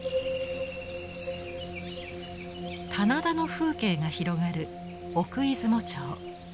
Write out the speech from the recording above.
棚田の風景が広がる奥出雲町。